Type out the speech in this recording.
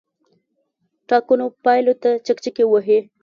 ټاکنو پایلو ته چکچکې وهي.